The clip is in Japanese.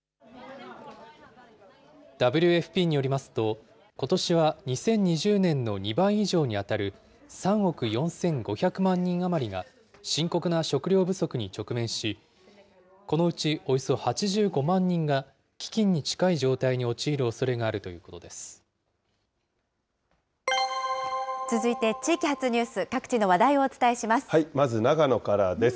ＷＦＰによりますと、ことしは２０２０年の２倍以上に当たる、３億４５００万人余りが深刻な食料不足に直面し、このうちおよそ８５万人が飢きんに近い状態に陥るおそれがあると続いて地域発ニュース、各地まず、長野からです。